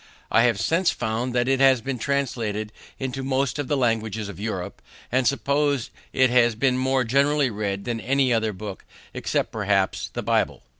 I have since found that it has been translated into most of the languages of Europe, and suppose it has been more generally read than any other book, except perhaps the Bible.